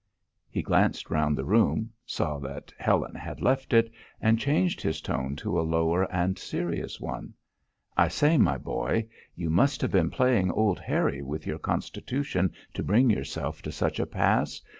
He glanced round the room, saw that Helen had left it, and changed his tone to a lower and serious one: "I say, my boy, you must have been playing old Harry with your constitution to bring yourself to such a pass!